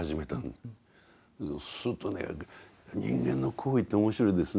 するとね人間の行為って面白いですね。